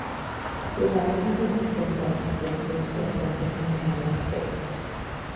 His eyes never took themselves for an instant from his companion's face.